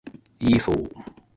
イーソー